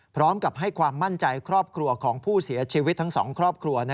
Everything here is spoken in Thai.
พร้อมกับให้ความมั่นใจครอบครัวของผู้เสียชีวิตทั้งสองครอบครัว